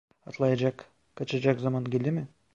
Atlayacak, kaçacak zaman geldi mi?